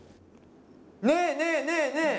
ねえねえねえねえ！